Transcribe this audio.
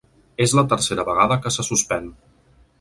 És la tercera vegada que se suspèn.